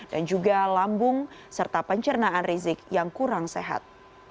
juga lambung serta pencernaan rizik yang kurang sehat